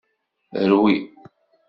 Rwi.